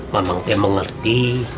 mamang teh mengerti